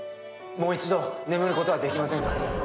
もう一度眠ることはできませんか？